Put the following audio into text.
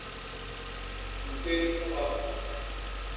Ntén nuga.